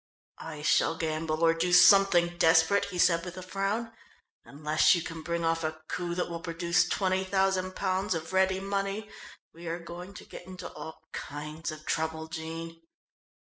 "I shall gamble or do something desperate," he said with a frown. "Unless you can bring off a coup that will produce twenty thousand pounds of ready money we are going to get into all kinds of trouble, Jean."